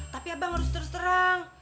tapi abang harus terus terang